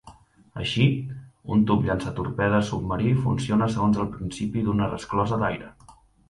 Així, un tub llançatorpedes submarí funciona segons el principi d'una resclosa d'aire.